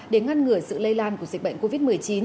để ngăn ngừa sự lây lan của dịch bệnh covid một mươi chín